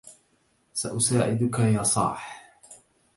سأساعدك يا صاح.